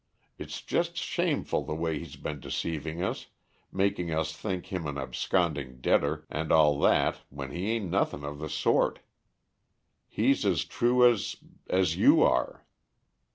It's just shameful the way he's been deceiving us, making us think him an absconding debtor and all that when he a'n't anything of the sort. He's as true as as you are.